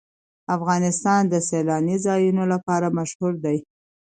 افغانستان د سیلانی ځایونه لپاره مشهور دی.